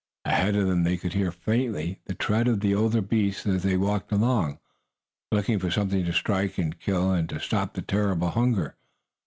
Ahead of them they could hear, faintly, the tread of the older beasts as they walked along, looking for something to strike and kill, to stop the terrible hunger.